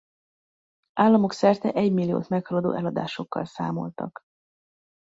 Államok szerte egymilliót meghaladó eladásokkal számoltak.